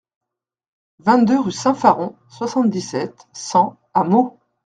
vingt-deux rue Saint-Faron, soixante-dix-sept, cent à Meaux